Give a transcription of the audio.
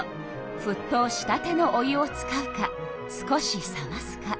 ふっとうしたてのお湯を使うか少し冷ますか。